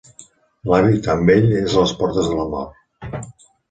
L'avi, tan vell, és a les portes de la mort.